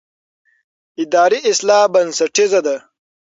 اداري اصلاح بنسټیزه ده